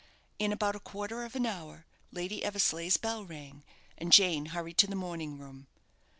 In about a quarter of an hour, Lady Eversleigh's bell rang, and Jane hurried to the morning room.